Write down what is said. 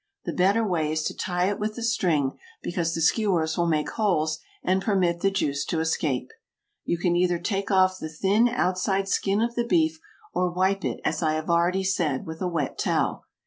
The better way is to tie it with a string, because the skewers will make holes and permit the juice to escape. You can either take off the thin, outside skin of the beef or wipe it as I have already said, with a wet towel.